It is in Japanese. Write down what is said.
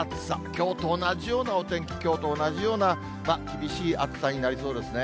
きょうと同じようなお天気、きょうと同じような厳しい暑さになりそうですね。